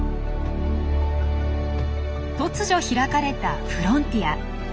突如開かれたフロンティア。